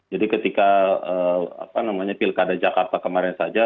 jadi ketika apa namanya pilkada jakarta kemarin saja